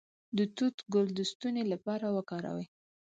د توت ګل د ستوني لپاره وکاروئ